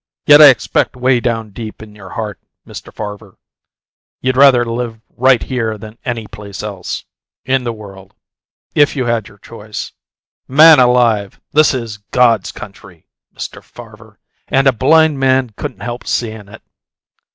Yet I expect way down deep in your heart, Mr. Farver, you'd rather live right here than any place else in the world, if you had your choice. Man alive! this is God's country, Mr. Farver, and a blind man couldn't help seein' it!